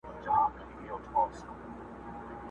د دوست دوست او د کافر دښمن دښمن یو!